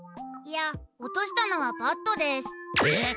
いや落としたのはバットです。え？